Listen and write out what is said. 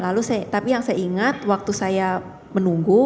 lalu tapi yang saya ingat waktu saya menunggu